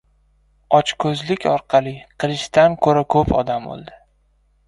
• Ochko‘zlik orqali qilichdan ko‘ra ko‘p odam o‘ldi.